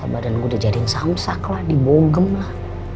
bahkan gue udah jadi samsak lah dibonggem lah